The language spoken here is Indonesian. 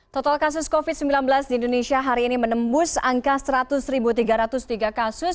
total kasus covid sembilan belas di indonesia hari ini menembus angka seratus tiga ratus tiga kasus